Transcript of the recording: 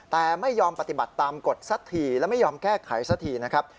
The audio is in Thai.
แต่ไม่ยอมปฏิบัติตามกฎสักทีและไม่ยอมแก้ไขสักทีนะครับ